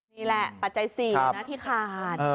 มีแหละปัจจัย๒ที่ขาด